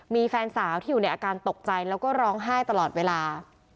มีแฟนสาวที่อยู่ในอาการตกใจแล้วก็ร้องไห้ตลอดเวลา